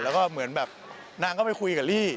แล้วก็เหมือนแบบนางก็ไปคุยกับลี่